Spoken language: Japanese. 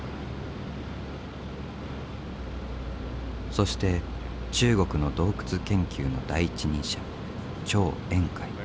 そして中国の洞窟研究の第一人者張遠海。